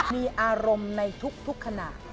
มีอารมณ์ในทุกขณะ